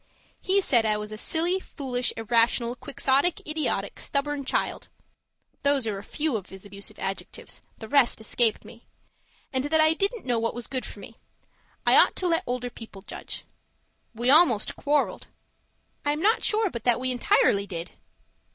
He said I was a silly, foolish, irrational, quixotic, idiotic, stubborn child (those are a few of his abusive adjectives; the rest escape me), and that I didn't know what was good for me; I ought to let older people judge. We almost quarrelled I am not sure but that we entirely did!